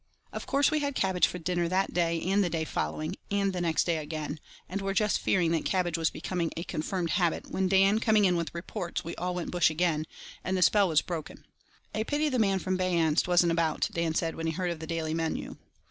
Of course we had cabbage for dinner that day, and the day following, and the next day again, and were just fearing that cabbage was becoming a confirmed habit when Dan coming in with reports we all went bush again, and the spell was broken. "A pity the man from Beyanst wasn't about," Dan said when he heard of the daily menu.